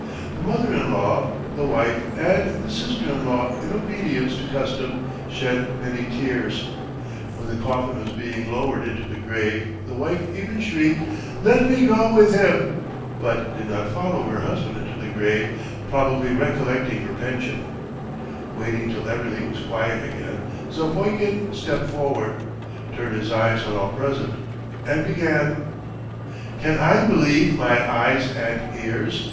The mother in law, the wife, and the sister in law in obedience to custom shed many tears. When the coffin was being lowered into the grave the wife even shrieked "Let me go with him!" but did not follow her husband into the grave probably recollecting her pension. Waiting till everything was quiet again Zapoikin stepped forward, turned his eyes on all present, and began: "Can I believe my eyes and ears?